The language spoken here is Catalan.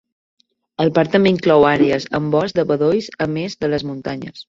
El parc també inclou àrees amb bosc de bedolls, a més de les muntanyes.